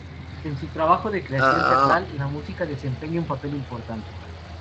En su trabajo de creación teatral, la música desempeña un papel importante.